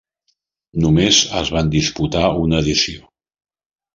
Només es van disputar una edició.